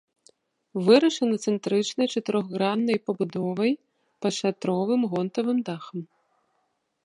Вырашана цэнтрычнай чатырохграннай пабудовай пад шатровым гонтавым дахам.